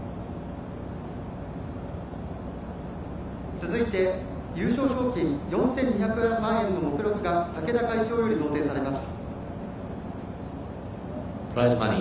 続いて優勝賞金４２００万円の目録が竹田会長より贈呈されます。